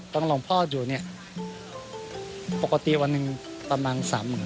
ต้องหลวงพ่ออยู่เนี่ยปกติวันหนึ่งประมาณ๓๕๐๐๐